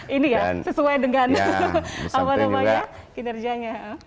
ini ya sesuai dengan apa apa ya kinerjanya